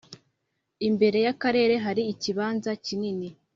imbere yakarere hari ikibanza kinini